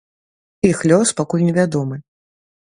Іх лёс пакуль невядомы.